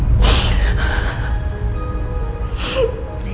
tapi dia udah bohongin kita semua rose